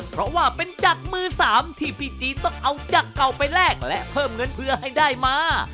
เพราะว่าเป็นจักรมือสามที่พี่จีนต้องเอาจักรเก่าไปแลกและเพิ่มเงินเพื่อให้ได้มา